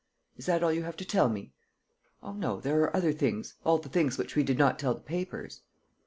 "Is that all you have to tell me?" "Oh, no, there are other things, all the things which we did not tell the papers."